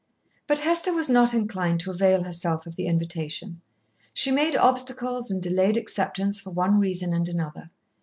But Hester was not inclined to avail herself of the invitation. She made obstacles and delayed acceptance for one reason and another.